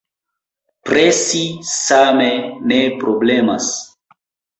Presi same ne problemas.